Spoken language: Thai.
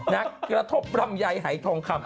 นักกระทบลำไยหายทองคำ